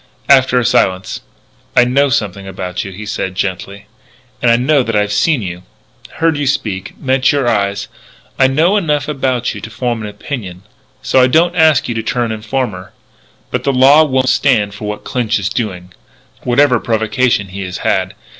After a silence: "I know something about you," he said gently. "And now that I've seen you heard you speak met your eyes I know enough about you to form an opinion.... So I don't ask you to turn informer. But the law won't stand for what Clinch is doing whatever provocation he has had.